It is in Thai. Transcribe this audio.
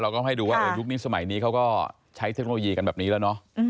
เราก็ให้ดูว่ายุคนี้สมัยนี้เขาก็ใช้เทคโนโลยีกันแบบนี้แล้วเนอะ